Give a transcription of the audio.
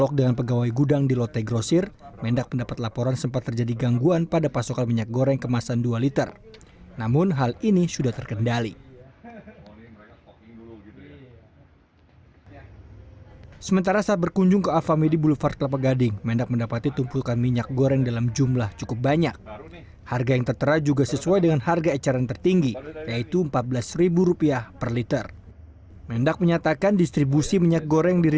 menurut menteri perdagangan mendak menurutnya akan terus memanjakan sidak kemampuan minyak goreng di pabrik minyak goreng